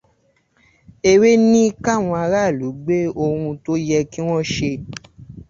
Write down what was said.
Eré ní káwọn aráàlú gbé ohun tó yẹ kí wọn ṣe.